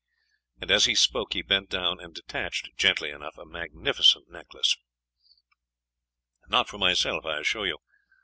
And as he spoke, he bent down, and detached, gently enough, a magnificent necklace. 'Not for myself, I assure you.